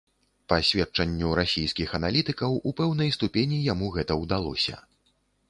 Па сведчанню расійскіх аналітыкаў, у пэўнай ступені яму гэта ўдалося.